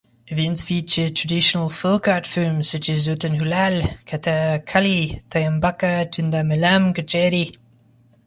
Events feature traditional folk art forms such as Ottanthullal, Kathakali, Thayambaka, Chenda melam, Kacheri.